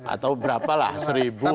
atau berapa lah seribu